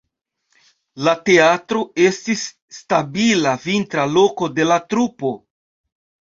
La teatro estis stabila vintra loko de la trupo.